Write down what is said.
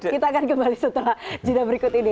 kita akan kembali setelah jeda berikut ini